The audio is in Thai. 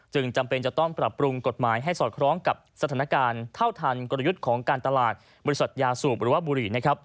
จึงจำเป็นต้องปรับปรุงกฎหมายให้สอดคร้องกับสถานการณ์เท่าทันกลยุทธ์ของการตลาดบุหรี่